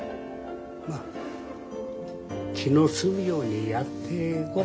まあ気の済むようにやってごらん。